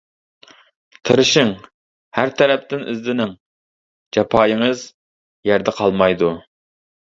تىرىشىڭ ھەر تەرەپتىن ئىزدىنىڭ جاپايىڭىز يەردە قالمايدۇ.